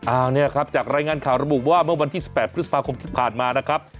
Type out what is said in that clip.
อันนี้ครับจากรายงานข่าวระบุว่าเมื่อวันที่๑๘พฤษภาคมที่ผ่านมานะครับ